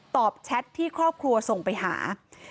แชทที่ครอบครัวส่งไปหา